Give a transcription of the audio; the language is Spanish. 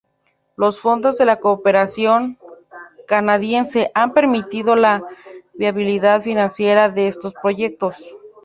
Los fondos de la cooperación canadiense han permitido la viabilidad financiera de estos proyectos.